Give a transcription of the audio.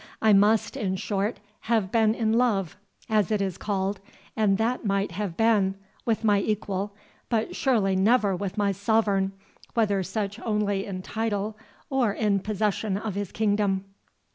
I must, in short, have been in love, as it is called—and that might have been—with my equal, but surely never with my sovereign, whether such only in title, or in possession of his kingdom."